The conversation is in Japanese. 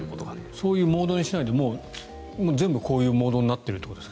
そういうモードにしないでも全部こういうモードになっているということですか？